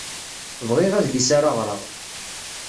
Bɣiɣ adlis ara ɣreɣ.